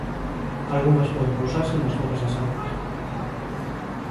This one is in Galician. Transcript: Algunhas poden pousarse ns copas das árbores.